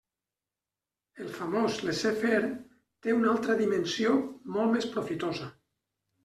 El famós laissez faire té una altra dimensió molt més profitosa.